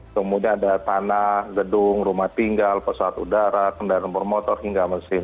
kemudian ada tanah gedung rumah tinggal pesawat udara kendaraan bermotor hingga mesin